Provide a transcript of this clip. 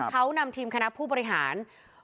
เขานำทีมคณะผู้บริหาร